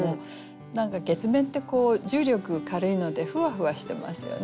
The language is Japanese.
何か月面って重力軽いのでふわふわしてますよね。